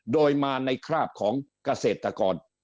โดยมาในคราบของเกษตรกร